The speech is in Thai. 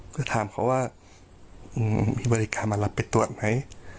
ก็ถามเขาว่ามีบริการมารับไปตรวจไหม